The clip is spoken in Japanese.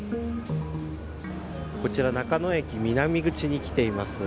こちら中野駅南口に来てます。